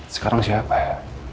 sekarang siapa ya